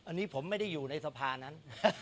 อันนี้ผมไม่ได้อยู่ในสภานั้น